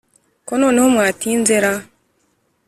ko noneho mwatinze ra